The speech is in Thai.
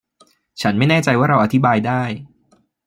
ฉันไม่แน่ใจว่าเราอธิบายได้